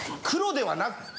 黒ではなく。